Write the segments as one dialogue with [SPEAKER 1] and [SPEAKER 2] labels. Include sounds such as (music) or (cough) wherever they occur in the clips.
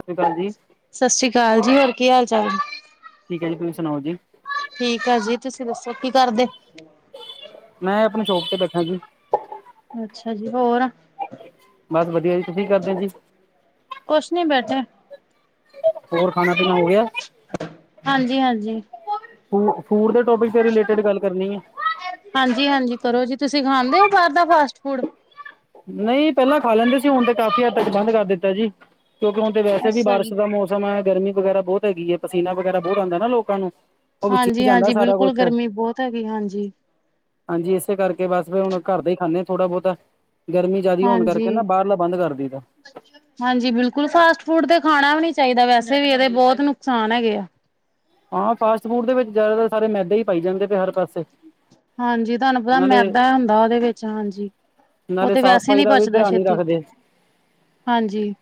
[SPEAKER 1] ਸਤਿ ਸ਼੍ਰੀ ਅਕਾਲ ਜੀ
[SPEAKER 2] ਸਤਿ ਸ੍ਰੀ ਅਕਾਲ ਜੀ। ਹੋਰ ਕੀ ਹਾਲ-ਚਾਲ?
[SPEAKER 1] ਠੀਕ ਹੈ ਜੀ, ਤੁਸੀਂ ਸੁਣਾਓ ਜੀ?
[SPEAKER 2] ਠੀਕ ਆ ਜੀ, ਤੁਸੀਂ ਦੱਸੋ, ਕੀ ਕਰਦੇ?
[SPEAKER 1] ''ਮੈਂ ਆਪਣੀ ਸ਼ੋਪ ਤੇ ਬੈਠਾ ਜੀ।
[SPEAKER 2] ਅੱਛਾ ਜੀ, ਹੋਰ?
[SPEAKER 1] ਬਸ ਵਧੀਆ ਜੀ। ਤੁਸੀਂ ਕੀ ਕਰਦੇ ਜੀ?
[SPEAKER 2] ਕੁਛ ਨੀ ਬੈਠੇ।
[SPEAKER 1] ਹੋਰ, ਖਾਣਾ-ਪੀਣਾ ਹੋ ਗਿਆ?
[SPEAKER 2] ਹਾਂਜੀ-ਹਾਂਜੀ।
[SPEAKER 1] ਫੂ, ਫੂਡ ਦੇ ਟੋਪਿਕ ਤੇ ਰਿਲੇਟਿਡ ਗੱਲ ਕਰਨੀ ਏ।
[SPEAKER 2] ਹਾਂਜੀ-ਹਾਂਜੀ, ਕਰੋ ਜੀ। ਤੁਸੀਂ ਖਾਂਦੇ ਹੋ ਬਾਹਰ ਦਾ ਫਾਸਟ-ਫੂਡ?
[SPEAKER 1] ਨਹੀਂ ਪਹਿਲਾਂ ਖਾ ਲੈਂਦੇ ਸੀ ਹੁਣ ਤੇ ਕਾਫ਼ੀ ਹੱਦ ਤੱਕ ਬੰਦ ਕਰ ਦਿੱਤਾ ਜੀ ਕਿਉਂਕਿ ਹੁਣ ਤੇ ਵੈਸੇ ਵੀ
[SPEAKER 2] ਅੱਛਾ
[SPEAKER 1] ਬਾਰਿਸ਼
[SPEAKER 2] ਜੀ
[SPEAKER 1] ਦਾ ਮੌਸਮ (unintelligible) ਗਰਮੀ ਵਗ਼ੈਰਾ ਬਹੁਤ ਹੈਗੀ ਐ ਪਸੀਨਾ ਵਗੈਰਾ ਬਹੁਤ ਆਉਂਦਾ ਨਾ ਲੋਕਾਂ ਨੂੰ। ਉਹ ਵਿੱਚ ਹੀ
[SPEAKER 2] ਹਾਂਜੀ
[SPEAKER 1] ਜਾਂਦਾ
[SPEAKER 2] ਹਾਂਜੀ
[SPEAKER 1] ਸਾਰਾ
[SPEAKER 2] ਬਿਲਕੁਲ
[SPEAKER 1] ਕੁਛ
[SPEAKER 2] ਗਰਮੀ ਬਹੁਤ ਹੈਗੀ ਹਾਂਜੀ।
[SPEAKER 1] ਹਾਂਜੀ, ਇਸੇ ਕਰਕੇ ਬਸ ਫਿਰ ਹੁਣ ਘਰ ਦਾ ਹੀ ਖਾਂਦੇ ਥੋੜਾ ਬਹੁਤਾ ਗਰਮੀ ਜ਼ਿਆਦਾ ਹੋਣ ਕਰਕੇ
[SPEAKER 2] ਹਾਂਜੀ
[SPEAKER 1] ਨਾ ਬਾਹਰਲਾ ਬੰਦ ਕਰ ਦਈ ਦਾ।
[SPEAKER 2] ਹਾਂਜੀ, ਬਿਲਕੁਲ ਫਾਸਟ ਫੂਡ ਤੇ ਖਾਣਾ ਵੀ ਨੀ ਚਾਹੀਦਾ ਵੈਸੇ ਵੀ ਇਹਦੇ ਬਹੁਤ ਨੁਕਸਾਨ ਹੈਗੇ ਆ।
[SPEAKER 1] ਹਾਂ ਫਾਸਟ ਫੂਡ ਦੇ ਵਿੱਚ ਜ਼ਿਆਦਾਤਰ ਸਾਰੇ ਮੈਦੇ ਹੀ ਪਾਈ ਜਾਂਦੇ ਪਏ ਹਰ ਪਾਸੇ
[SPEAKER 2] ਹਾਂਜੀ, ਤੁਹਾਨੂੰ ਪਤਾ
[SPEAKER 1] ਨਾਲੇ
[SPEAKER 2] ਮੈਦਾ ਹੁੰਦਾ ਉਹਦੇ ਵਿੱਚ ਹਾਂਜੀ। ਉਹ
[SPEAKER 1] ਨਾਲੇ
[SPEAKER 2] ਤੇ
[SPEAKER 1] ਸਾਫ਼
[SPEAKER 2] ਵੈਸੇ
[SPEAKER 1] ਸਫ਼ਾਈ
[SPEAKER 2] ਨੀ
[SPEAKER 1] ਦਾ ਵੀ
[SPEAKER 2] ਪਚਦਾ
[SPEAKER 1] ਧਿਆਨ ਨੀ
[SPEAKER 2] ਛੇਤੀ
[SPEAKER 1] ਰੱਖਦੇ
[SPEAKER 2] ਹਾਂਜੀ।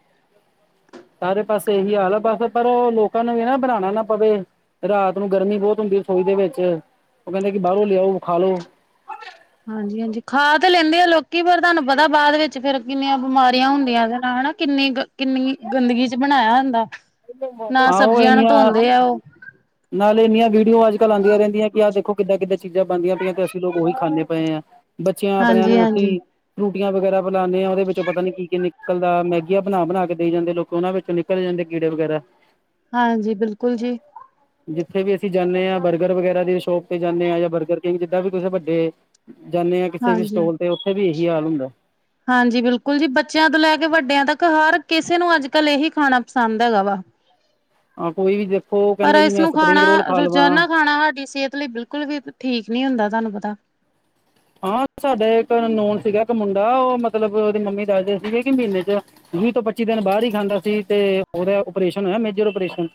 [SPEAKER 1] ਸਾਰੇ ਪਾਸੇ ਇਹੀ ਹਾਲ ਬਸ ਪਰ ਲੋਕਾਂ ਨੂੰ ਵੀ ਨਾ ਬਣਾਉਣਾ ਨਾ ਪਵੇ। ਰਾਤ ਨੂੰ ਗਰਮੀ ਬਹੁਤ ਹੁੰਦੀ ਰਸੋਈ ਦੇ ਵਿੱਚ ਉਹ ਕਹਿੰਦੇ ਕਿ ਬਾਹਰੋਂ ਲਿਆਓ ਖਾ ਲੋ।
[SPEAKER 2] ਹਾਂਜੀ ਹਾਂਜੀ, ਖਾ ਤੇ ਲੈਂਦੇ ਆ ਲੋਕੀ ਪਰ ਤੁਹਾਨੂੰ ਪਤਾ ਬਾਅਦ ਵਿੱਚ ਫਿਰ ਕਿੰਨੀਆਂ ਬਿਮਾਰੀਆਂ ਹੁੰਦੀਆਂ ਓਦੇ ਨਾਲ ਹਨਾ ਕਿੰਨੀ ਕਿੰਨੀ ਗੰਦਗੀ ਚ ਬਣਾਇਆ ਹੁੰਦਾ। ਨਾ
[SPEAKER 1] ਆਹੋ
[SPEAKER 2] ਸਬਜ਼ੀਆਂ ਨੂੰ
[SPEAKER 1] ਇੰਨੀਆਂ,
[SPEAKER 2] ਧੋਂਦੇ ਆ ਉਹ
[SPEAKER 1] ਨਾਲ ਇੰਨੀਆਂ ਵੀਡੀਓ ਅੱਜ ਕੱਲ ਆਂਦੀਆਂ ਰਹਿੰਦੀਆਂ ਕਿ ਆ ਦੇਖੋ ਕਿਦਾਂ ਚੀਜ਼ਾਂ ਬਣਦੀਆਂ ਪਈਆਂ ਤੇ ਅਸੀਂ ਲੋਕ ਉਹੀ ਖਾਂਦੇ ਪਏ ਹਾਂ ਬੱਚਿਆਂ ਆਪਣਿਆਂ
[SPEAKER 2] ਹਾਂਜੀ
[SPEAKER 1] ਨੂੰ ਕੀ
[SPEAKER 2] ਹਾਂਜੀ
[SPEAKER 1] ਫਰੂਟੀਆਂ ਵਗੈਰਾ ਪਿਲਾਨਾ ਆ ਉਹਦੇ ਵਿੱਚੋਂ ਪਤਾ ਨੀ ਕੀ ਕੀ ਨਿਕਲਦਾ ਮੈਗੀਆਂ ਬਣਾ ਬਣਾ ਕੇ ਦਈ ਜਾਂਦੇ ਲੋਕ ਉਹਨਾਂ ਵਿੱਚੋਂ ਨਿਕਲ ਜਾਂਦੇ ਕੀੜੇ ਵਗੈਰਾ।
[SPEAKER 2] ਹਾਂਜੀ ਬਿਲਕੁਲ ਜੀ।
[SPEAKER 1] ਜਿੱਥੇ ਵੀ ਅਸੀਂ ਜਾਣੇ ਆ ਬਰਗਰ ਵਗੈਰਾ ਦੀ ਸ਼ੋਪ ਤੇ ਜਾਣੇ ਆ ਜਾਂ ਬਰਗਰ ਜਿੱਦਾਂ ਵੀ ਕਿਸੇ ਵੱਡੇ ਜਾਣੇ ਆ ਕਿਸੇ ਵੀ
[SPEAKER 2] ਹਾਂਜੀ
[SPEAKER 1] ਸਟੋਲ ਤੇ ਉੱਥੇ ਵੀ ਇਹੀ ਹਾਲ ਹੁੰਦਾ।
[SPEAKER 2] ਹਾਂਜੀ, ਬਿਲਕੁਲ ਜੀ ਬੱਚਿਆਂ ਤੋਂ ਲੈ ਕੇ ਵੱਡਿਆਂ ਤੱਕ ਹਰ ਕਿਸੇ ਨੂੰ ਅੱਜ ਕੱਲ ਇਹੀ ਖਾਣਾ ਪਸੰਦ ਹੈਗਾ ਵਾ
[SPEAKER 1] ਕੋਈ ਵੀ ਦੇਖ
[SPEAKER 2] ਪਰ ਇਸਨੂੰ ਖਾਣਾ ਰੋਜ਼ਾਨਾ ਖਾਣਾ ਸਾਡੀ ਸਿਹਤ ਲਈ ਬਿਲਕੁਲ ਵੀ ਠੀਕ ਨੀ ਹੁੰਦਾ ਤੁਹਾਨੂੰ ਪਤਾ।
[SPEAKER 1] ਹਾਂ, ਸਾਡੇ ਇੱਕ ਨੋਨ ਸੀਗਾ ਇੱਕ ਮੁੰਡਾ ਉਹ ਮਤਲਬ ਉਹਦੀ ਮੰਮੀ ਦਾਸਦੇ ਸੀਗੇ ਕਿ ਮਹੀਨੇ ਚ ਵੀਹ ਤੋਂ ਪੱਚੀ ਦਿਨ ਬਾਹਰ ਹੀ ਖਾਂਦਾ ਸੀ ਤੇ ਉਹਦਾ ਓਪਰੇਸ਼ਨ ਹੋਇਆ ਮੇਜਰ ਓਪਰੇਸ਼ਨ।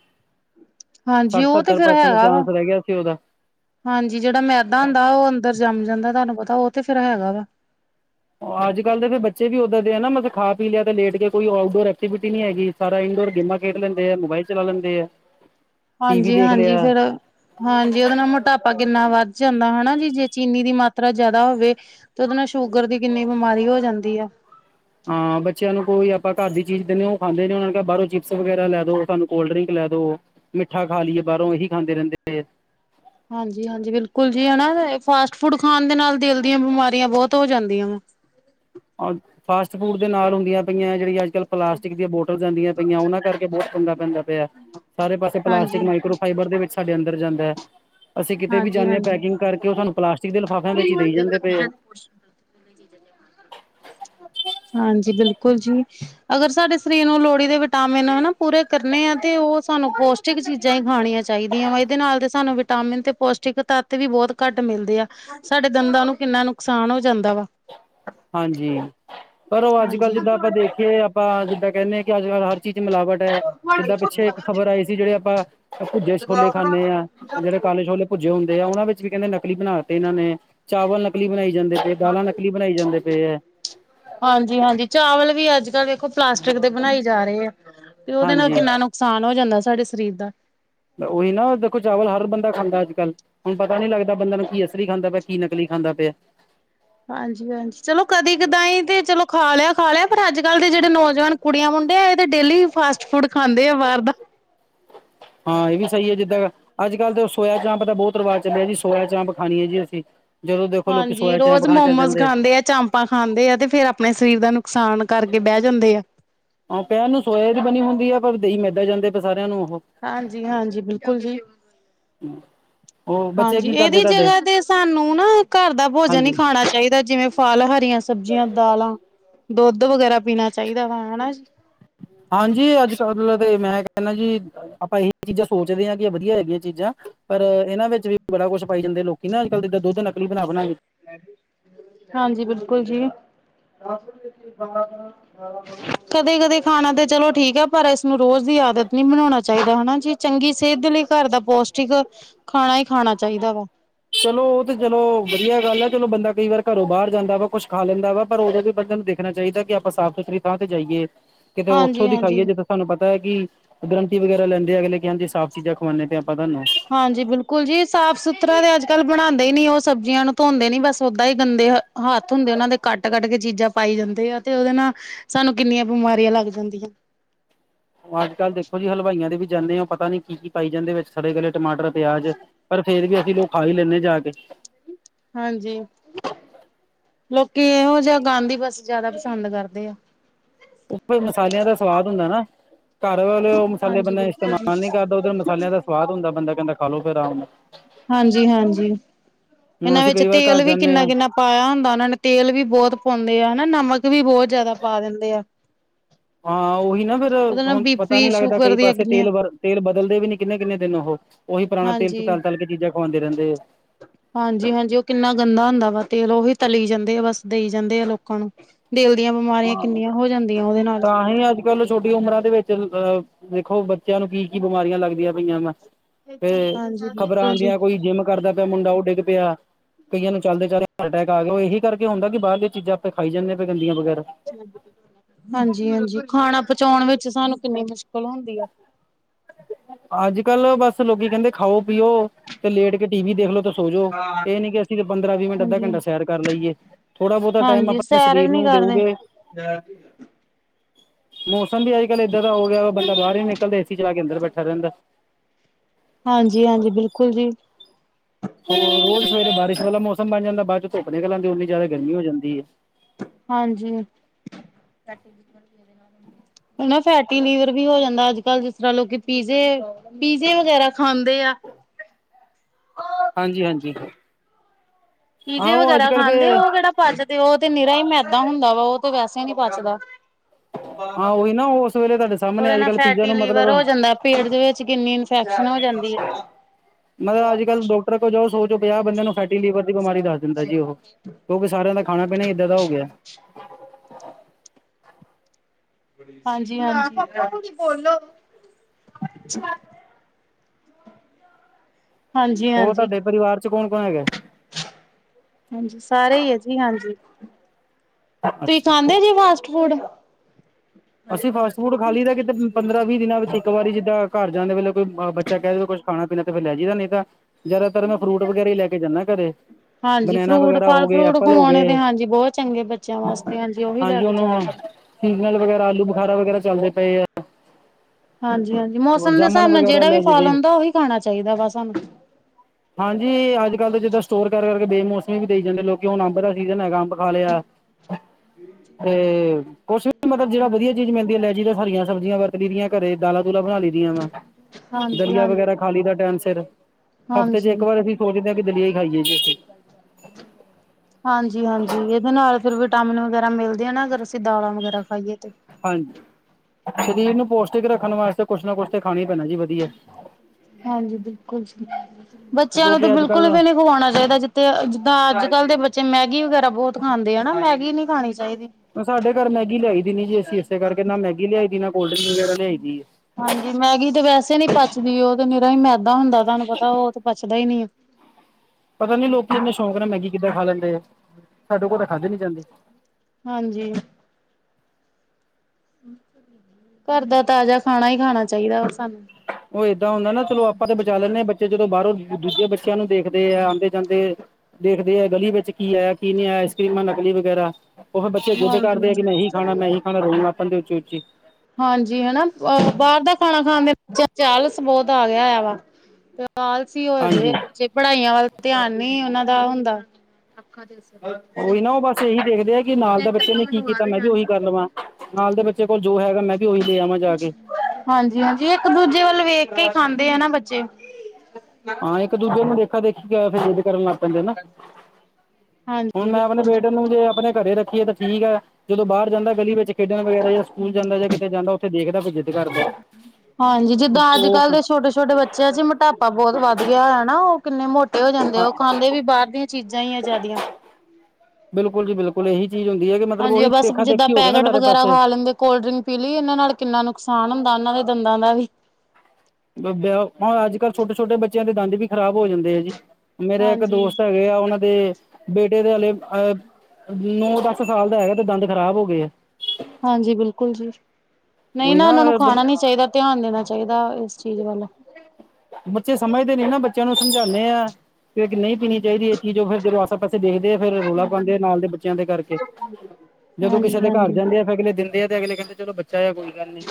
[SPEAKER 2] ਹਾਂਜੀ
[SPEAKER 1] ਸੱਠ
[SPEAKER 2] ਉਹ ਤੇ
[SPEAKER 1] ਸੱਤਰ
[SPEAKER 2] ਫੇਰ
[SPEAKER 1] ਪਰਸੈਂਟ
[SPEAKER 2] ਹੈਗਾ ਵਾ
[SPEAKER 1] ਚਾਂਸ ਰਹਿ ਗਿਆ ਸੀ ਉਹਦਾ
[SPEAKER 2] ਹਾਂਜੀ, ਜਿਹੜਾ ਮੈਦਾ ਹੁੰਦਾ ਉਹ ਅੰਦਰ ਜਮ ਜਾਂਦਾ ਤੁਹਾਨੂੰ ਪਤਾ ਉਹ ਤੇ ਫੇਰ ਹੈਗਾ ਵਾ।
[SPEAKER 1] ਅੱਜ ਕੱਲ ਦੇ ਫਿਰ ਬੱਚੇ ਵੀ ਉੱਦਰ ਦੇ ਆ ਨਾ ਮਤਲਬ ਖਾ ਪੀ ਲਿਆ ਤੇ ਲੇਟ ਗੇ ਕੋਈ ਆਊਟਡੋਰ ਐਕਟੀਵਿਟੀ ਨੀ ਹੈਗੀ ਸਾਰ ਇਨਡੋਰ ਗੇਮਾਂ ਖੇਡ ਲੈਂਦੇ ਆ ਮੋਬਾਈਲ ਚਲਾ ਲੈਂਦੇ ਆ। ਟੀ ਵੀ
[SPEAKER 2] ਹਾਂਜੀ
[SPEAKER 1] ਦੇਖ
[SPEAKER 2] ਹਾਂਜੀ
[SPEAKER 1] ਲਿਆ
[SPEAKER 2] ਫਿਰ ਹਾਂਜੀ, ਉਹਦੇ ਨਾਲ ਮੋਟਾਪਾ ਕਿੰਨਾ ਵੱਧ ਜਾਂਦਾ ਜੀ ਜੇ ਚੀਨੀ ਦੀ ਮਾਤਰਾ ਜਿਆਦਾ ਹੋਵੇ। ਤੇ ਉਹਦੇ ਨਾਲ ਸ਼ੂਗਰ ਦੀ ਕਿੰਨੀ ਬਿਮਾਰੀ ਹੋ ਜਾਂਦੀ ਆ।
[SPEAKER 1] ਹਾਂ, ਬੱਚਿਆਂ ਨੂੰ ਕੋਈ ਆਪਾਂ ਘਰ ਦੀ ਚੀਜ਼ ਦਿੰਦੇ ਹੋ ਉਹ ਖਾਂਦੇ ਨੇ ਉਹਨਾਂ ਨੇ ਕਿਹਾ ਬਾਹਰੋਂ ਚੀ ਵਗੈਰਾ ਲੈ ਦੋ ਸਾਨੂੰ ਕੋਲਡ ਡਰਿੰਕ ਲੈ ਦੋ ਮਿੱਠਾ ਖਾ ਲਈਏ ਬਾਹਰੋਂ ਇਹੀ ਖਾਂਦੇ ਰਹਿੰਦੇ।
[SPEAKER 2] ਹਾਂਜੀ ਹਾਂਜੀ, ਬਿਲਕੁਲ ਜੀ ਹਨਾ ਫਾਸਟ ਫੂਡ ਖਾਣ ਦੇ ਨਾਲ ਦਿਲ ਦੀਆਂ ਬਿਮਾਰੀਆਂ ਬਹੁਤ ਹੋ ਜਾਂਦੀਆਂ ਵਾ।
[SPEAKER 1] ਔਰ ਫਾਸਟ ਫੂਡ ਦੇ ਨਾਲ ਹੁੰਦੀਆਂ ਪਈਆਂ ਜਿਹੜੀਆਂ ਅੱਜ ਕੱਲ੍ਹ ਪਲਾਸਟਿਕ ਦੀਆਂ ਬੋਟਲ ਜਾਂਦੀਆਂ ਪਈਆਂ ਉਹਨਾਂ ਕਰਕੇ ਬਹੁਤ ਚੰਗਾ ਪੈਂਦਾ ਪਿਆ। ਸਾਰੇ ਪਾਸੇ ਪਲਾਸਟਿਕ
[SPEAKER 2] ਹਾਂਜੀ,
[SPEAKER 1] ਮਾਈਕ੍ਰੋ ਫਾਈਬਰ ਦੇ ਵਿੱਚ ਸਾਡੇ ਅੰਦਰ ਜਾਂਦਾ। ਅਸੀਂ ਕਿਤੇ ਵੀ
[SPEAKER 2] ਹਾਂਜੀ-ਹਾਂਜੀ,
[SPEAKER 1] ਜਾਂਦੇ ਆ
[SPEAKER 2] ਹਾਂਜੀ
[SPEAKER 1] ਪੈਕਿੰਗ ਕਰਕੇ ਉਹ ਸਾਨੂੰ ਪਲਾਸਟਿਕ ਦੇ ਲਿਫਾਫਿਆਂ ਵਿੱਚ ਹੀ ਦੇਈ ਜਾਂਦੇ ਪਏ ਆ।
[SPEAKER 2] (unintelligible) ਚੀਜ਼ਾਂ,
[SPEAKER 1] (unintelligible)
[SPEAKER 2] ਹਾਂਜੀ, ਬਿਲਕੁਲ ਜੀ ਅਗਰ ਸਾਡੇ ਸਰੀਰ ਨੂੰ ਲੋਹੜੀ ਦੇ ਵਿਟਾਮਿਨ ਹਨਾ ਪੂਰੇ। ਕਰਨੇ ਆ ਤੇ ਉਹ ਸਾਨੂੰ ਪੌਸ਼ਟਿਕ ਚੀਜ਼ਾਂ ਹੀ ਖਾਣੀਆਂ ਚਾਹੀਦੀਆਂ ਵਾ ਇਹਦੇ ਨਾਲ ਤੇ ਸਾਨੂੰ ਵਿਟਾਮਿਨ ਤੇ ਪੌਸ਼ਟਿਕ ਤੱਤ ਤੇ ਵੀ ਬਹੁਤ ਘੱਟ ਮਿਲਦੇ ਆ ਸਾਡੇ ਦੰਦਾਂ ਨੂੰ ਕਿੰਨਾ ਨੁਕਸਾਨ ਹੋ ਜਾਂਦਾ ਵਾ।
[SPEAKER 1] ਹਾਂਜੀ, ਪਰ ਉਹ ਅੱਜ ਕੱਲ੍ਹ
[SPEAKER 2] ਹਾਂਜੀ।
[SPEAKER 1] ਜਿੱਦਾਂ ਆਪਾਂ ਦੇਖੀਏ ਆਪਾਂ ਜਿੱਦਾਂ ਕਹਿੰਦੇ ਹਾਂ ਕਿ ਅੱਜ ਕੱਲ੍ਹ ਹਰ ਚੀਜ਼ ਚ ਮਿਲਾਵਟ ਐ। ਜਿੱਦਾਂ ਪਿੱਛੇ ਇੱਕ ਖ਼ਬਰ ਆਈ ਸੀ ਜਿਹੜੇ ਆਪਾਂ ਭੁੱਜੇ ਛੋਲੇ ਖਾਂਦੇ ਹਾਂ ਜਿਹੜੇ ਕਾਲੇ ਛੋਲੇ ਪੁੱਜੇ ਹੁੰਦੇ ਆ ਉਹਨਾਂ ਵਿੱਚ ਵੀ ਕਹਿੰਦੇ ਨਕਲੀ ਬਣਾ ਤੇ ਇਹਨਾਂ ਨੇ ਚਾਵਲ ਨਕਲੀ ਬਣਾਈ ਜਾਂਦੇ ਤੇ ਦਾਲਾਂ ਨਕਲੀ ਬਣਾਈ ਜਾਂਦੇ ਤੇ ਤੇ,
[SPEAKER 2] ਹਾਂਜੀ ਹਾਂਜੀ, ਚਾਵਲ ਵੀ ਅੱਜ ਕੱਲ ਦੇਖੋ ਪਲਾਸਟਿਕ ਦੇ ਬਣਾਏ ਜਾ ਰਹੇ ਆ। ਤੇ ਉਹਦੇ ਨਾਲ
[SPEAKER 1] ਹਾਂਜੀ
[SPEAKER 2] ਕਿੰਨਾ ਨੁਕਸਾਨ ਹੋ ਜਾਂਦਾ ਸਾਡੇ ਸਰੀਰ ਦਾ
[SPEAKER 1] ਉਹੀ ਨਾ ਦੇਖੋ ਚਾਵਲ ਹਰ ਬੰਦਾ ਖਾਂਦਾ ਅੱਜ ਕੱਲ੍ਹ। ਹੁਣ ਪਤਾ ਨੀ ਲੱਗਦਾ ਬੰਦਾ ਨੂੰ ਕੀ ਅਸਲੀ ਖਾਂਦਾ ਪਿਆ ਕੀ ਨਕਲੀ ਖਾਂਦਾ ਪਿਆ।
[SPEAKER 2] ਹਾਂਜੀ ਹਾਂਜੀ, ਚਲੋ ਕਦੀ ਕਦਾਈਂ ਤੇ ਚਲੋ ਖਾ ਲਿਆ ਖਾ ਲਿਆ ਪਰ ਅੱਜ ਕੱਲ੍ਹ ਦੇ ਜਿਹੜੇ ਨੌਜਵਾਨ ਕੁੜੀਆਂ ਮੁੰਡਿਆਂ ਇਹ ਤੇ ਡੇਲੀ ਫਾਸਟ ਫੂਡ ਖਾਂਦੇ ਆ ਬਾਹਰ ਦਾ।
[SPEAKER 1] ਹਾਂ, ਇਹ ਵੀ ਸਹੀ ਹੈ ਜਿੱਦਾਂ ਅੱਜ ਕੱਲ੍ਹ ਤਾਂ ਸੋਇਆ ਚਾਂਪ ਦਾ ਬਹੁਤ ਰਿਵਾਜ਼ ਚੱਲਿਆ ਜੀ ਸੋਇਆ ਚਾਂਪ ਖਾਣੀ ਐ ਜੀ ਅਸੀਂ। ਜਦੋਂ ਦੇਖੋ ਲੋਕੀ
[SPEAKER 2] ਹਾਂਜੀ,
[SPEAKER 1] ਸੋਇਆ ਚਾਂਪ
[SPEAKER 2] ਰੋਜ਼
[SPEAKER 1] ਖਾਣ ਚੱਲ
[SPEAKER 2] ਮੋਮੋਸ
[SPEAKER 1] ਜਾਂਦੇ
[SPEAKER 2] ਖਾਂਦੇ ਆ ਚ ਪਾਂ ਖਾਂਦੇ ਆ ਤੇ ਫੇਰ ਆਪਣੇ ਸਰੀਰ ਦਾ ਨੁਕਸਾਨ ਕਰਕੇ ਬਹਿ ਜਾਂਦੇ ਆ।
[SPEAKER 1] ਆ ਪਹਿਣ ਨੂੰ ਸੋਏ ਦੀ ਬਣੀ ਹੁੰਦੀ ਆ ਪਰ ਦਈ ਮੈਦਾ ਜਾਂਦੇ ਪਏ ਸਾਰਿਆਂ ਨੂੰ ਉਹ
[SPEAKER 2] ਹਾਂਜੀ ਹਾਂਜੀ, ਬਿਲਕੁਲ ਜੀ।
[SPEAKER 1] ਉਹ ਬੱਚੇ
[SPEAKER 2] ਹਾਂਜੀ,
[SPEAKER 1] ਕੀ ਕਰਦੇ
[SPEAKER 2] ਇਹਦੀ
[SPEAKER 1] ਤੁਹਾਡੇ
[SPEAKER 2] ਜਗ੍ਹਾ ਤੇ ਸਾਨੂੰ ਨਾ ਘਰ ਦਾ ਭੋਜਨ ਹੀ
[SPEAKER 1] ਹਾਂਜੀ
[SPEAKER 2] ਖਾਣਾ ਚਾਹੀਦਾ ਜਿਵੇਂ ਫਲ ਹਰੀਆਂ ਸਬਜ਼ੀਆਂ ਦਾਲਾਂ ਦੁੱਧ ਵਗੈਰਾ ਪੀਣਾ ਚਾਹੀਦਾ ਵਾ ਹਨਾ ਜੀ।
[SPEAKER 1] ਹਾਂਜੀ, ਅੱਜ ਮਤਲਬ ਮੈਂ ਕਹਿੰਦਾ ਜੀ ਆਪਾਂ ਇਹੀ ਚੀਜ਼ਾਂ ਸੋਚਦੇ ਹਾਂ ਕਿ ਵਧੀਆ ਹੈਗੀਆਂ ਚੀਜ਼ਾਂ। ਪਰ ਇਹਨਾਂ ਵਿੱਚ ਵੀ ਬੜਾ ਕੁੱਛ ਪਾਈ ਜਾਂਦੇ ਲੋਕੀ ਨਾ ਅੱਜ ਕੱਲ ਜਿੱਦਾਂ ਦੁੱਧ ਨਕਲੀ ਬਣਾ ਬਣਾ ਕੇ
[SPEAKER 2] ਹਾਂਜੀ ਬਿਲਕੁਲ ਜੀ। ਕਦੇ ਕਦੇ ਖਾਣਾ ਤੇ ਚਲੋ ਠੀਕ ਆ ਪਰ ਇਸਨੂੰ ਰੋਜ਼ ਦੀ ਆਦਤ ਨੀ ਬਨਾਉਣਾ ਚਾਹੀਦਾ ਹਨਾ ਜੀ। ਚੰਗੀ ਸਿਹਤ ਦੇ ਲਈ ਘਰ ਦਾ ਪੌਸ਼ਟਿਕ ਖਾਣਾ ਹੀ ਖਾਣਾ ਚਾਹੀਦਾ ਵਾ।
[SPEAKER 1] ਚਲੋ ਉਹ ਤੇ ਚਲੋ ਵਧੀਆ ਗੱਲ ਆ ਚਲੋ ਬੰਦਾ ਕਈ ਵਾਰ ਘਰੋਂ ਬਾਹਰ ਜਾਂਦਾ ਵਾ ਕੁੱਛ ਖਾ ਲੈਂਦਾ ਵਾ ਪਰ ਉਦੋਂ ਵੀ ਬੰਦੇ ਨੂੰ ਦੇਖ ਣਾ ਚਾਹੀਦਾ ਕਿ ਆਪਾਂ ਸਾਫ਼ ਸੁਥਰੀ ਥਾਂ ਤੇ ਜਾਈਏ। ਕਿਤੇ ਉੱਥੋਂ
[SPEAKER 2] ਹਾਂਜੀ-ਹਾਂਜੀ।
[SPEAKER 1] ਦਿਖਾਈਏ ਜਿੱਥੋਂ ਤੁਹਾਨੂੰ ਪਤਾ ਹੈ ਕਿ ਗਰੰਟੀ ਵਗੈਰਾ ਲੈਂਦੇ ਆ ਅਗਲੇ ਕਿ ਹਾਂਜੀ ਸਾਫ਼ ਚੀਜ਼ਾਂ ਖਵਾਦੇ ਪਏ ਆ ਆਪਾਂ ਤੁਹਾਨੂੰ।
[SPEAKER 2] ਹਾਂਜੀ, ਬਿਲਕੁਲ ਜੀ ਸਾਫ਼ ਸੁਥਰਾ ਤੇ ਅੱਜ ਕੱਲ੍ਹ ਬਣਾਉਂਦੇ ਹੀ ਨੀ ਉਹ ਸਬਜ਼ੀਆਂ ਨੂੰ ਧੋਂਦੇ ਨੀ ਬਸ ਓਦਾਂ ਹੀ ਗੰਦੇ ਹੱਥ ਹੁੰਦੇ ਉਹਨਾਂ ਦੇ ਕੱਟ ਕੱਟ ਕੇ ਚੀਜ਼ਾਂ ਪਾਈ ਜਾਂਦੇ ਆ ਤੇ ਉਹਦੇ ਨਾਲ। ਸਾਨੂੰ ਕਿੰਨੀਆਂ ਬਿਮਾਰੀਆਂ ਲੱਗ ਜਾਂਦੀਆਂ।
[SPEAKER 1] ਅੱਜ ਕੱਲ੍ਹ ਦੇਖੋ ਜੀ ਹਲਵਾਈਆਂ ਦੇ ਵੀ ਜਾਂਦੇ ਆ ਪਤਾ ਨੀ ਕੀ ਕੀ ਪਾਈ ਜਾਂਦੇ ਵਿੱਚ ਸੜੇ ਗਲੇ ਟਮਾਟਰ। ਪਰ ਫੇਰ ਵੀ ਅਸੀਂ ਲੋਕ ਖਾਈ ਲੈਂਦੇ ਆ ਜਾ ਕੇ।
[SPEAKER 2] ਹਾਂਜੀ, ਲੋਕੀ ਇਹੋ ਜਿਹਾ ਗੰਦ ਈ ਬਸ ਜ਼ਿਆਦਾ ਪਸੰਦ ਕਰਦੇ ਆ।
[SPEAKER 1] ਉਪਰੋ ਮਸਾਲਿਆਂ ਦਾ ਸਵਾਦ ਹੁੰਦਾ ਨਾ। ਘਰ ਵਾਲੇ ਉਹ ਮਸਾਲੇ
[SPEAKER 2] ਹਾਂਜੀ
[SPEAKER 1] ਬੰਦਾ
[SPEAKER 2] ਬਿਲਕੁਲ
[SPEAKER 1] ਇਸਤੇਮਾਲ
[SPEAKER 2] ਜੀ।
[SPEAKER 1] ਨੀ ਕਰਦਾ ਦੇ ਮਸਾਲਿਆਂ ਦਾ ਸਵਾਦ ਹੁੰਦਾ ਬੰਦਾ ਕਹਿੰਦਾ ਖਾ ਲਓ ਫਿਰ ਆਰਾਮ ਨਾਲ।
[SPEAKER 2] ਹਾਂਜੀ ਹਾਂਜੀ,
[SPEAKER 1] ਹੁਣ
[SPEAKER 2] ਇਹਨਾਂ
[SPEAKER 1] ਅਸੀਂ
[SPEAKER 2] ਵਿੱਚ
[SPEAKER 1] ਕਈ ਵਾਰ ਘਰ
[SPEAKER 2] ਤੇਲ ਵੀ
[SPEAKER 1] ਜਾਂਦੇ
[SPEAKER 2] ਕਿੰਨਾ
[SPEAKER 1] ਹਾਂ
[SPEAKER 2] ਕਿੰਨਾ ਪਾਇਆ ਹੁੰਦਾ ਉਹਨਾਂ ਨੇ ਤੇਲ ਵੀ ਬਹੁਤ ਪਾਉਂਦੇ ਆ ਹਨਾ ਨਮਕ ਵੀ ਬਹੁਤ ਜ਼ਿਆਦਾ ਪਾ ਦਿੰਦੇ ਆ।
[SPEAKER 1] ਹਾਂ, ਉਹੀ ਨਾ ਫੇਰ
[SPEAKER 2] ਉਹਦੇ ਨਾਲ
[SPEAKER 1] ਹੁਣ
[SPEAKER 2] ਬੀ
[SPEAKER 1] ਪਤਾ ਨੀ
[SPEAKER 2] ਪੀ
[SPEAKER 1] ਲੱਗਦਾ
[SPEAKER 2] ਸ਼ੂਗਰ
[SPEAKER 1] ਕਈ
[SPEAKER 2] ਦੀਆਂ
[SPEAKER 1] ਪਾਸੇ
[SPEAKER 2] ਕਿੰਨੀਆਂ
[SPEAKER 1] ਤੇਲ ਵਰ ਤੇਲ ਬਦਲਦੇ ਵੀ ਨੀ ਕਿੰਨੇ ਕਿੰਨ ਦਿਨ ਉਹ ਉਹੀ ਪੁਰਾਣਾ ਤੇਲ ਤੇ
[SPEAKER 2] ਹਾਂਜੀ।
[SPEAKER 1] ਤਲ ਤਲ ਕੇ ਚੀਜ਼ਾਂ ਖਵਾਉਂਦੇ ਰਹਿੰਦੇ ਆ।
[SPEAKER 2] ਹਾਂਜੀ ਹਾਂਜੀ, ਉਹ ਕਿੰਨਾ ਗੰਦਾ ਹੁੰਦਾ ਵਾ ਤੇਲ ਉਹੀ ਤਲੀ ਜਾਂਦੇ ਆ ਬਸ ਦੇਈ ਜਾਂਦੇ ਆ ਲੋਕਾਂ ਨੂੰ ਦਿਲ ਦੀਆਂ ਬਿਮਾਰੀਆਂ ਕਿੰਨੀਆਂ ਹੋ ਜਾਂਦੀਆਂ ਉਹਦੇ ਨਾਲ।
[SPEAKER 1] ਚਲੋ ਛੋਟੀ ਉਮਰਾਂ ਦੇ ਵਿੱਚ ਅਹ ਦੇਖੋ ਬੱਚਿਆਂ ਨੂੰ ਕੀ ਕੀ ਬਿਮਾਰੀਆਂ ਲੱਗਦੀਆਂ ਪਈਆਂ ਵਾ। ਫਿਰ
[SPEAKER 2] ਹਾਂਜੀ
[SPEAKER 1] ਖ਼ਬਰਾਂ
[SPEAKER 2] ਬਿਲਕੁਲ ਜੀ।
[SPEAKER 1] ਆਉਂਦੀਆਂ ਕੋਈ ਜਿੰਮ ਕਰਦਾ ਪਿਆ ਮੁੰਡਾ ਉਹ ਡਿੱਗ ਪਿਆ। ਕਈਆਂ ਨੂੰ ਚੱਲਦੇ ਚੱਲ ਹਾਰਟ ਅਟੈਕ ਆ ਗਏ ਇਹੀ ਕਰਕੇ ਹੁੰਦਾ ਕਿ ਬਾਹਰਲਆਂ ਚੀਜ਼ਾਂ ਆਪਾਂ ਖਾਈ ਜਾਂਦੇ ਗੰਦੀਆਂ ਵਗੈਰਾ
[SPEAKER 2] ਹਾਂਜੀ ਹਾਂਜੀ, ਖਾਣਾ ਪਚਾਉਣ ਵਿਚ ਸਾਨੂੰ ਕਿੰਨੀ ਮੁਸ਼ਕਿਲ ਹੁੰਦੀ ਆ।
[SPEAKER 1] ਅੱਜ ਕੱਲ ਬਸ ਲੋਕੀ ਕਹਿੰਦੇ ਖਾਓ ਪੀਓ ਤੇ ਲੇਟ ਕੇ ਟੀ ਵੀ ਦੇਖਲੋ ਤੁ ਸੋਜੋ ਇਹ ਨੀ ਕਿ ਅਸੀਂ ਤਾਂ ਪੰਦਰਾਂ ਵੀਹ ਮਿੰਟ ਅੱਧਾ
[SPEAKER 2] ਹਾਂਜੀ।
[SPEAKER 1] ਘੰਟਾ ਸੈਰ ਕਰ ਲਈਏ। ਥੋੜ੍ਹਾ ਬਹੁਤਾ ਟਾਈਮ
[SPEAKER 2] ਹਾਂਜੀ
[SPEAKER 1] ਆਪਣੇ
[SPEAKER 2] ਸੈਰ ਵੀ
[SPEAKER 1] ਸਰੀਰ
[SPEAKER 2] ਨੀ
[SPEAKER 1] ਨੂੰ
[SPEAKER 2] ਕਰਦੇ
[SPEAKER 1] ਦਊਗੇ।
[SPEAKER 2] (unintelligible)
[SPEAKER 1] ਮੌਸਮ ਵੀ ਅੱਜ ਕੱਲ੍ਹ ਏਦਾ ਦਾ ਹੋ ਗਿਆ ਵਾ ਬੰਦਾ ਬਾਹਰ ਹੀ ਨਿਕਲਦਾ ਏਸੀ ਚਲਾ ਕੇ ਅੰਦਰ ਬੈਠਾ ਰਹਿੰਦਾ।
[SPEAKER 2] ਹਾਂਜੀ ਹਾਂਜੀ ਬਿਲਕੁਲ ਜੀ।
[SPEAKER 1] ਰੋਜ਼ ਸਵੇਰੇ ਬਾਰਸ਼ ਵਾਲਾ ਮੌਸਮ ਬਣ ਜਾਂਦਾ ਬਾਅਦ ਚ ਧੁੱਪ ਨਿਕਲ ਆਂਦੀ ਓਨੀ ਜ਼ਿਆਦਾ ਗਰਮੀ ਹੋ ਜਾਂਦੀ ਹੈ।
[SPEAKER 2] ਹਾਂਜੀ, ਹਨਾ ਫੈਟੀ ਲੀਵਰ ਵੀ ਹੋ ਜਾਂਦਾ ਅੱਜ ਕੱਲ ਜਿਸ ਤਰ੍ਹਾਂ ਲੋਕ ਪੀਜ਼ੇ ਪੀਜ਼ੇ ਵਗੈਰਾ ਖਾਂਦੇ ਆ।
[SPEAKER 1] ਹਾਂਜੀ ਹਾਂਜੀ, ਹਾਂ
[SPEAKER 2] ਪੀਜੇ
[SPEAKER 1] ਉਹ ਅੱਜ
[SPEAKER 2] ਵਗੈਰਾ
[SPEAKER 1] ਕੱਲ
[SPEAKER 2] ਖਾਂਦੇ
[SPEAKER 1] ਫੇਰ
[SPEAKER 2] ਓ ਕਿਹੜਾ ਪਚਦੇ ਉਹ ਤੇ ਨੀਰਾ ਹੀ ਮੈਦਾ ਹੁੰਦਾ ਵਾ ਉਹ ਤੇ ਵੈਸੇ ਹੀ ਨੀ ਪਚਦਾ।
[SPEAKER 1] (inaudible) ਨਾ ਉਸ ਵੇਲੇ ਤੁਹਾਡੇ ਸਾਹਮਣੇ
[SPEAKER 2] ਉਹਦੇ
[SPEAKER 1] ਅੱਜ
[SPEAKER 2] ਨਾਲ
[SPEAKER 1] ਕੱਲ ਪੀਜ਼ਾ
[SPEAKER 2] ਫੈਟੀ
[SPEAKER 1] ਨੂੰ ਮਤਲਬ
[SPEAKER 2] ਲੀਵਰ ਹੋ ਜਾਂਦਾ ਪੇਟ ਦੇ ਵਿੱਚ ਗਿੰਨੀ ਫੈਕਸ਼ਨ ਹੋ ਜਾਂਦੀ ਆ।
[SPEAKER 1] ਮਤਲਬ ਅੱਜ ਕੱਲ੍ਹ ਡਾਕਟਰ ਕੋਲ ਜਾਓ ਸੋ ਚੋ ਪੰਜਾਹ ਬੰਦਿਆਂ ਨੂੰ ਫੈਟੀ ਲੀਵਰ ਦੀ ਬਿਮਾਰੀ ਦੱਸ ਦਿੰਦਾ ਜੀ ਉਹ। ਕਿਉਂਕਿ ਸਿਆਂ ਦਾ ਖਾਣਾ ਪੀਣਾ ਇਦਾਂ ਦਾ ਹੋ ਗਿਆ।
[SPEAKER 2] ਹਾਂਜੀ ਹਾਂਜੀ ਬੋਲੋ।
[SPEAKER 1] ਹੋਰ
[SPEAKER 2] ਹਾਂਜੀ
[SPEAKER 1] ਤੁਹਾਡੇ ਪਰਿਵਾਰ ਚ ਕੌਣ ਕੌਣ ਹੈਗਾ।
[SPEAKER 2] ਹਾਂਜੀ ਸਾਰੇ ਹੀ ਆ ਜੀ ਹਾਂਜੀ ਤੁਸੀਂ
[SPEAKER 1] ਅੱਛਾ
[SPEAKER 2] ਖਾਂਦੇ ਜੇ ਫਾਸਟ ਫੂਡ।
[SPEAKER 1] ਅਸੀਂ ਫਾਸਟ ਫੂਡ ਖਾਲੀ ਦਾ ਕਿਤੇ ਪੰਦਰਾਂ ਵੀਹ ਦਿਨਾਂ ਵਿੱਚ ਇੱਕ ਵਾਰੀ ਜਿੱਦਾਂ ਘਰ ਜਾਂਦੇ ਵੇਲੇ ਕੋਈ ਬੱਚਾ ਕਹਿ ਦੇ ਕੁਛ ਖਾਣਾ ਪੀਣਾ ਤੇ ਫਿਰ ਲੈ ਜਾਈਦਾ ਨਹੀਂ ਤਾਂ ਜ਼ਿਆਦਾਤਰ ਮੈਂ ਫਰੂਟ ਵਗੈਰਾ ਹੀ ਲੈ ਕੇ ਜਾਂਦਾ ਘਰੇ।
[SPEAKER 2] ਹਾਂਜੀ,
[SPEAKER 1] ਬਨੈਨਾ
[SPEAKER 2] ਫਰੂਟ
[SPEAKER 1] ਵਗੈਰਾ
[SPEAKER 2] ਫਲ
[SPEAKER 1] ਹੋ ਗਏ
[SPEAKER 2] ਫਰੂਟ
[SPEAKER 1] ਐਪਲ ਹੋ
[SPEAKER 2] ਖਵਾਉਣੇ
[SPEAKER 1] ਗਏ
[SPEAKER 2] ਤੇ ਹਾਂਜੀ ਬਹੁਤ ਚੰਗੇ ਬੱਚਿਆਂ ਵਾਸਤੇ ਹਾਂਜੀ ਉਹੀ ਲੈ ਕੇ ਜਾਇਆ ਕਰੋ।
[SPEAKER 1] ਸੀਜ਼ਨਲ ਵਗੈਰਾ ਆਲੂੁ ਬਖਾਰਾ ਵਗੈਰਾ ਚੱਲਦੇ ਪਏ ਆ।
[SPEAKER 2] ਹਾਂਜੀ ਹਾਂਜੀ, ਮੌਸਮ ਦੇ
[SPEAKER 1] ਜਾਮਨ
[SPEAKER 2] ਹਿਸਾਬ ਨਾਲ
[SPEAKER 1] ਵਗੈਰਾ
[SPEAKER 2] ਜਿਹੜਾ
[SPEAKER 1] ਲੈ
[SPEAKER 2] ਵੀ ਫ਼ਲ
[SPEAKER 1] ਜਦੇ
[SPEAKER 2] ਹੁੰਦਾ ਉਹੀ ਖਾਣਾ ਚਾਹੀਦਾ ਵਾ ਸਾਨੂੰ।
[SPEAKER 1] ਹਾਂਜੀ, ਅੱਜ ਕੱਲ੍ਹ ਤਾਂ ਜਿੱਦਾਂ ਸਟੋਰ ਕਰ ਕਰਕੇ ਬੇਮੌਸਮੀ ਵੀ ਦੇਈ ਜਾਂਦੇ ਲੋਕ। ਜਿਵੇਂ ਹੁਣ ਅੰਬ ਦਾ ਸੀਜਨ ਹੈਗਾ ਅੰਬ ਖਾ ਲਿਆ ਤੇ ਕੁਛ। ਮਤਲਬ ਜਿਹੜਾ ਵਧੀਆ ਚੀਜ਼ ਮਿਲਦੀ ਲੈ ਜਾਈ ਦਾ ਹਰੀਆਂ ਸਬਜ਼ੀਆਂ ਵਰਦੀਹੀਆਂ ਘਰੇ ਦਾਲਾਂ ਦੂਲਾ ਬਣਾ ਲਈਦੀਆਂ ਵਾ। ਦਲੀਆ
[SPEAKER 2] ਹਾਂਜੀ-ਹਾਂਜੀ
[SPEAKER 1] ਵਗੈਰਾ ਖਾ
[SPEAKER 2] ਬਿਲਕੁਲ।
[SPEAKER 1] ਲਈ ਦਾ ਟਾਈਮ ਸਿਰ। ਹਫ਼ਤੇ ਚ ਇੱਕ
[SPEAKER 2] ਹਾਂਜੀ।
[SPEAKER 1] ਵਾਰ ਅਸੀਂ ਸੋਚਦੇ ਆ ਕਿ ਦਲੀਆ ਈ ਖਾਈ ਏ ਜੀ ਅਸੀਂ।
[SPEAKER 2] ਹਾਂਜੀ ਹਾਂਜੀ, ਇਹਦੇ ਨਾਲ ਫਿਰ ਵਿਟਾਮਿਨ ਵਗੈਰਾ ਮਿਲਦੇ ਆ ਨਾ ਅਗਰ ਅਸੀਂ ਦਾਲਾਂ ਵਗੈਰਾ ਖਾਈਏ ਤਾਂ।
[SPEAKER 1] ਹਾਂਜੀ, ਸਰੀਰ ਨੂੰ ਪੌਸ਼ਟਿਕ ਰੱਖਣ ਵਾਸਤੇ ਕੁਛ ਨਾ ਕੁਛ ਤਾਂ ਖਾਣਾ ਹੀ ਪੈਣਾ ਜੀ ਵਧੀਆ।
[SPEAKER 2] ਹਾਂਜੀ ਬਿਲਕੁਲ ਜੀ। ਬੱਚਿਆਂ ਨੂੰ ਤਾਂ
[SPEAKER 1] ਕਿਉਂਕਿ ਅੱਜ
[SPEAKER 2] ਬਿਲਕੁਲ
[SPEAKER 1] ਕੱਲ੍ਹ
[SPEAKER 2] ਵੀ ਨੀ ਖਵਾਉਣਾ ਚਾਹੀਦਾ ਜਿੱਥੇ ਜਿੱਦਾਂ ਅੱਜ ਕੱਲ੍ਹ ਦੇ ਬੱਚੇ ਮੈਗੀ ਵਗੈਰਾ ਬਹੁਤ ਖਾਂਦੇ ਆ ਨਾ ਮੈਗੀ ਨੀ ਖਾਣੀ ਚਾਹੀਦੀ।
[SPEAKER 1] ਸਾਡੇ ਘਰ ਮੈਗੀ ਲਿਆਈ ਦੀ ਨੀ ਜੀ ਅਸੀਂ ਇਸੇ ਕਰਕੇ ਨਾ ਮੈਗੀ ਲਿਆਈ ਦੀ ਨਾ ਕੋਲਡਰਿੰਕ ਵਗੈਰਾ ਲਿਆਈ ਦੀ ਐ।
[SPEAKER 2] ਹਾਂਜੀ, ਮੈਗੀ ਤੇ ਵੈਸੇ ਨੀ ਪਚਦੀ ਉਹ ਤੇ ਨੀਰਾ ਹੀ ਮੈਦਾ ਹੁੰਦਾ ਤੁਹਾਨੂੰ ਪਤਾ ਉਹ ਤੇ ਪਚਦਾ ਹੀ ਨੀ ਆ।
[SPEAKER 1] ਪਤਾ ਨੀ ਲੋਕ ਇੰਨੇ ਸ਼ੌਂਕ ਨੇ ਮੈਗੀ ਕਿੱਦਾਂ ਖਾ ਲੈਂਦੇ ਆ ਸਾਡੇ ਕੋਲ ਤਾਂ ਖਾਧੀ ਨੀ ਜਾਂਦੀ।
[SPEAKER 2] ਹਾਂਜੀ, ਘਰ ਦਾ ਤਾਜ਼ਾ ਖਾਣਾ ਹੀ ਖਾਣਾ ਚਾਹੀਦਾ ਵਾ ਸਾਨੂੰ।
[SPEAKER 1] ਉਹ ਏਦਾਂ ਹੁੰਦਾ ਨਾ ਚਲੋ ਆਪਾਂ ਤੇ ਬਚਾ ਲੈਂਦੇ ਹਾਂ ਬੱਚੇ ਜਦੋਂ ਬਾਹਰੋਂ ਦੂਜੇ ਬੱਚਿਆਂ ਨੂੰ ਦੇਖਦੇ ਆ ਆਂਦੇ ਜਾਂਦੇ। ਦੇਖਦੇ ਆ ਗਲੀ ਵਿੱਚ ਕੀ ਆਇਆ ਕੀ ਨਹੀਂ ਆਇਆ ਐਸ ਕਰੀਮਾਂ ਨਕਲੀ ਵਗੈਰਾ ਉਹ ਫਿਰ ਬੱਚੇ ਜਿੱਦ
[SPEAKER 2] ਹੁਣ ਤਾਂ
[SPEAKER 1] ਕਰਦੇ ਆ ਕਿ
[SPEAKER 2] ਬੱਚਿਆਂ
[SPEAKER 1] ਮੈਂ
[SPEAKER 2] ਦੇ
[SPEAKER 1] ਹੀ ਖਾਣਾ ਇਹੀ ਖਾਣਾ ਰੋਣ ਲੱਗ ਪੈਂਦੇ ਉੱਚੀ ਉੱਚੀ।
[SPEAKER 2] ਹਾਂਜੀ, ਹਨਾ ਬਾਹਰ ਦਾ ਖਾਣਾ ਖਾਣ ਦੇ ਆਲਸ ਬਹੁਤ ਆ ਗਿਆ ਵਾ। ਤੇ
[SPEAKER 1] (inaudible)
[SPEAKER 2] ਆਲਸੀ ਹੋਗੇ
[SPEAKER 1] ਹਾਂਜੀ।
[SPEAKER 2] ਬੱਚੇ ਪੜ੍ਹਾਈਆਂ ਵੱਲ ਧਿਆਨ ਨੀ ਉਹਨਾਂ ਦਾ ਹੁੰਦਾ। ਕਦੇ ਸਰ
[SPEAKER 1] ਉਹੀ ਨਾ ਉਹ
[SPEAKER 2] (unintelligible)
[SPEAKER 1] ਬਸ ਇਹੀ ਦੇਖਦੇ ਆ। ਕਿ ਨਾਲ ਦਾ ਬੱਚੇ ਨੇ ਕੀ ਕੀਤਾ
[SPEAKER 2] ਤੇ
[SPEAKER 1] ਮੈਂ ਵੀ ਉਹੀ
[SPEAKER 2] ਜਾਣੀ
[SPEAKER 1] ਕਰ ਲਵਾਂ ਨਾਲ ਦੇ ਬੱਚੇ ਕੋਲ ਜੋ ਹੈਗਾ ਮੈਂ ਵੀ ਉਹੀ ਲੈ ਆਵਾਂ ਜਾ ਕੇ।
[SPEAKER 2] ਹਾਂਜੀ ਹਾਂਜੀ, ਇੱਕ ਦੂਜੇ ਵੱਲ ਵੇਖ ਕੇ ਖਾਂਦੇ ਆ ਨਾ ਬੱਚੇ।
[SPEAKER 1] ਹਾਂ ਇੱਕ ਦੂਜੇ ਨੂੰ ਦੇਖਾ ਦੇਖੀ ਕੇ ਫਿਰ ਕਰਨ ਲੱਗ ਪੈਂਦੇ ਨਾ ਹੁਣ
[SPEAKER 2] ਹਾਂਜੀ
[SPEAKER 1] ਮੈਂ ਆਪਣੇ
[SPEAKER 2] ਬਿਲਕੁਲ ਜੀ।
[SPEAKER 1] ਬੇਟੇ ਨੂੰ ਜੇ ਆਪਣੇ ਘਰੇ ਰੱਖੀਏ ਤਾਂ ਠੀਕ ਐ ਜਦੋਂ ਬਾਹਰ ਜਾਂਦਾ ਗਲੀ ਵਿੱਚ ਖੇਡਣ ਵਗੈਰਾ ਜਾ ਸਕੂਲ ਜਾਂਦਾ ਜਾ ਕਿਤੇ ਜਾਂਦਾ ਉੱਥੇ ਦੇਖਦਾ ਫੇਰ ਜਿੱਦ ਕਰਦਾ।
[SPEAKER 2] ਹਾਂਜੀ ਜਿੱਦਾ ਅੱਜ ਕੱਲ
[SPEAKER 1] ਉਹ
[SPEAKER 2] ਦੇ ਛੋਟੇ-ਛੋਟੇ ਬ ਚਿਆਂ ਚ ਜੀ ਮੋਟਾਪਾ ਬਹੁਤ ਵੱਧ ਗਿਆ ਹੋ ਨਾ ਉਹ ਕਿੰਨੇ ਮੋਟੇ ਹੋ ਜਾਂਦੇ
[SPEAKER 1] ਹਾਂ
[SPEAKER 2] ਉਹ ਖਾਂਦੇ ਵੀ ਬਾਹਰ ਦੀਆ ਚੀਜ਼ਾ ਹੀ ਆ ਜਾਦੀਆ।
[SPEAKER 1] ਬਿਲਕੁਲ ਜੀ ਬਿਲਕੁਲ, ਇਹੀ ਚੀਜ਼ ਹੁੰਦੀ ਆ ਕਿ ਮਤਲਬ
[SPEAKER 2] ਹਾਂਜੀ
[SPEAKER 1] ਉਹੀ
[SPEAKER 2] ਬਸ
[SPEAKER 1] ਦੇਖਾ
[SPEAKER 2] ਜਿੱਦਾਂ
[SPEAKER 1] ਦੇਖੀ ਹੋ ਗਏ ਨਾ
[SPEAKER 2] ਪੈਕਟ
[SPEAKER 1] ਸਾਰੇ
[SPEAKER 2] ਵਗੈਰਾ
[SPEAKER 1] ਪਾਸੇ।
[SPEAKER 2] ਖਾ ਲੈਂਦੇ ਕੋਲਡ ਡਰਿੰਕ ਪੀ ਲਈ ਇਹਨਾਂ ਨਾਲ ਕਿੰਨਾ ਨੁਕਸਾਨ ਹੁੰਦਾ ਉਹਨਾਂ ਦੇ ਦੰਦਾਂ ਦਾ ਵੀ
[SPEAKER 1] (unintelligible) ਅੱਜ ਕੱਲ੍ਹ ਛੋਟੇ ਛੋਟੇ ਬੱਚਿਆਂ ਦੇ ਦੰਦ ਵੀ ਖ਼ਰਾਬ ਹੋ ਜਾਂਦੇ ਆ ਜੀ। ਮੇਰੇ ਇੱਕ
[SPEAKER 2] ਹਾਂਜੀ,
[SPEAKER 1] ਦੋਸਤ ਹੈਗੇ ਆ ਉਹਨਾਂ ਦੇ ਬੇਟੇ ਦੇ ਹਲੇ ਅ ਨੌ, ਦਸ ਸਾਲ ਦਾ ਹੈਗਾ ਤੇ ਦੰਦ ਖ਼ਰਾਬ ਹੋ ਗਏ ਆ।
[SPEAKER 2] ਹਾਂਜੀ ਬਿਲਕੁਲ ਜੀ ਨਹੀਂ ਨਾ ਉਹਨਾਂ ਨੂੰ ਖਾਣਾ ਨੀ ਚਾਹੀਦਾ। ਧਿਆਨ ਦੇਣਾ ਚਾਹੀਦਾ ਇਸ ਚੀਜ਼ ਵੱਲ।
[SPEAKER 1] ਬੱਚੇ ਸਮਝਦੇ ਨੀ ਨਾ ਬੱਚਿਆਂ ਨੂੰ ਸਮਝਾਨੇ ਆ ਕਿ ਨਹੀ ਪੀਣੀ ਚਾਹੀਦੀ ਇਹ ਚੀਜ਼ ਉਹ ਫਿਰ ਜਦੋ ਪਾਸੇ ਦੇਖਦੇ ਆ ਫੇਰ ਰੌਲਾ ਪਾਉਂਦੇ ਆ ਨਾਲ ਦੇ ਬੱਚਿਆਂ ਦੇ ਕਰਕੇ ਜਦੋਂ
[SPEAKER 2] ਹਾਂਜੀ,
[SPEAKER 1] ਕਿਸੇ ਦੇ ਘਰ
[SPEAKER 2] ਹਾਂਜੀ।
[SPEAKER 1] ਜਾਂਦੇ ਆ ਅਗਲੇ ਦਿੰਦੇ ਆ ਤੇ ਅਗਲੇ ਕਹਦੇ ਚਲੋ ਬੱਚਾ ਆ ਕੋਈ ਗੱਲ ਨੀ।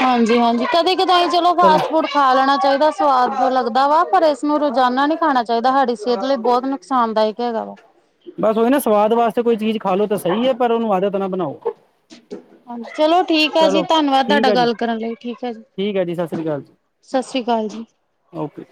[SPEAKER 2] ਹਾਂਜੀ-ਹਾਂਜੀ ਕਦੇ ਕਦਾਈ ਚਲੋ ਫਾਸਟ ਫੂਡ ਖਾ ਲੈਣਾ ਚਾਹੀਦਾ ਸਵਾਦ ਲੱਗਦਾ ਵਾ ਪਰ ਇਸਨੂੰ ਰੋਜ਼ਾਨਾ ਨੀ ਖਾਣਾ ਚਾਹੀਦਾ ਸਾਡੀ ਸਿਹਤ ਲਈ ਬਹੁਤ ਨੁਕਸਾਨਦਾਇਕ ਹੈਗਾ ਵਾ।
[SPEAKER 1] ਬਸ ਉਹੀ ਨਾ ਸਵਾਦ ਵਾਸਤੇ ਕੋਈ ਚੀਜ਼ ਖਾ ਲੋ ਤਾ ਸਹੀ ਹੈ ਪਰ ਉਹਨੂੰ ਆਦਤ ਨਾ ਬਣਾਓ।
[SPEAKER 2] ਹਾਂਜੀ ਚਲੋ ਠੀਕ ਆ ਜੀ
[SPEAKER 1] ਚਲੋ
[SPEAKER 2] ਧੰਨਵਾਦ
[SPEAKER 1] ਠੀਕ
[SPEAKER 2] ਤੁਹਾਡਾ
[SPEAKER 1] ਹੈ ਜੀ
[SPEAKER 2] ਗੱਲ ਕਰਨ ਲਈ ਠੀਕ ਹੈ ਜੀ।
[SPEAKER 1] ਠੀਕ ਹੈ ਜੀ ਸਤਿ ਸ੍ਰੀ ਅਕਾਲ ਜੀ
[SPEAKER 2] ਸਸ ਸ੍ਰੀ ਕਾਲ ਜੀ।
[SPEAKER 1] ਓਕੇ